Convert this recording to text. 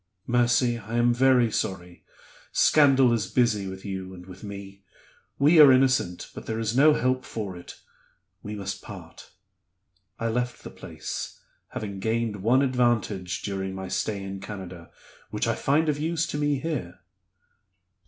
'Mercy, I am very sorry; scandal is busy with you and with me; we are innocent, but there is no help for it we must part.' I left the place; having gained one advantage during my stay in Canada, which I find of use to me here."